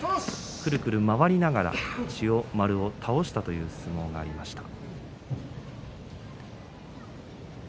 くるくる回りながら千代丸を倒したという相撲がありました。